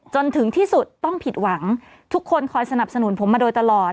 จนถึงที่สุดต้องผิดหวังทุกคนคอยสนับสนุนผมมาโดยตลอด